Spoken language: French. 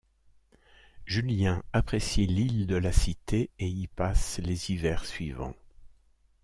Julien apprécie l’île de la Cité et y passe les hivers suivants.